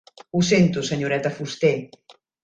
Ho sento, senyoreta Fuster.